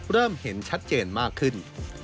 เริ่มเห็นชัดเจนมากขึ้น